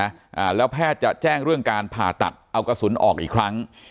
อ่าแล้วแพทย์จะแจ้งเรื่องการผ่าตัดเอากระสุนออกอีกครั้ง